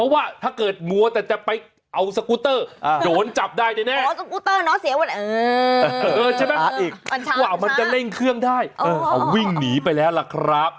ว่ามันจะเล่นเครื่องได้อ๋อเอาหรอวิ่งหนีไปแล้วล่ะครับครับ